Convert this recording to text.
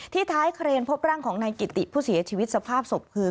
ท้ายเครนพบร่างของนายกิติผู้เสียชีวิตสภาพศพคือ